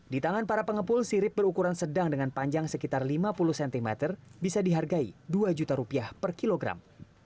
di tangan para pengepul sirip berukuran sedang dengan panjang sekitar lima puluh cm bisa dihargai dua juta rupiah per kilogram